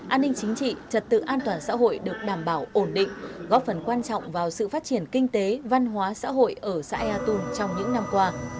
an ninh chính trị trật tự an toàn xã hội được đảm bảo ổn định góp phần quan trọng vào sự phát triển kinh tế văn hóa xã hội ở xã ea tôn trong những năm qua